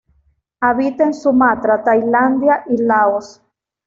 Habita en Sumatra, Tailandia y Laos.